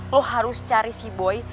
lo harus cari sea boy